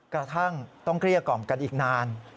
กระทั่งต้องเกลี้ยกล่อมกันอีกนาน